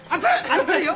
熱いよ。